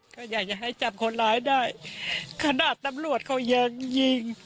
ก็อยากจะให้จับคนร้ายได้ขนาดตำรวจเขายังยิง